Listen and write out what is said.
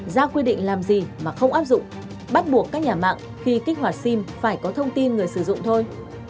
ra quy định làm gì mà không áp dụng bắt buộc các nhà mạng khi kích hoạt sim phải có thông tin người sử dụng thôi